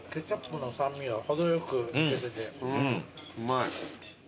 うまい。